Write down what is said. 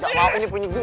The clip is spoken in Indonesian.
gak mau ini punya gue